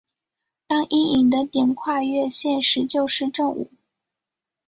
当阴影的点跨越线时就是正午。